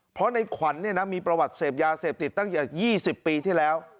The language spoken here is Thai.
เพราะในขวัญมีประวัติเสพยาเสพติดตั้งแต่๒๐ปีที่แล้ว